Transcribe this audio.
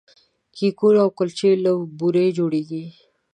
کیکونه او کلچې له بوري جوړیږي.